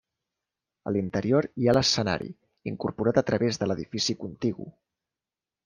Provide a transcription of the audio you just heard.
A l'interior hi ha l'escenari, incorporat a través de l'edifici contigu.